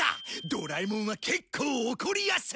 ドラえもんは結構怒りやすい。